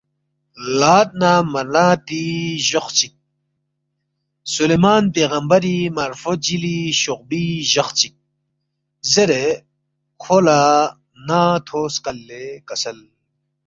لات نہ مناتی جخ چِک، سُلیمان پیغمبری مارفو جِلی شوقبُوی جخ چِک زیرے کھو لہ نا تھو سکل لے کسل